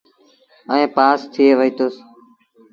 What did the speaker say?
ائيٚݩ پآس ٿئي وهيٚتوس۔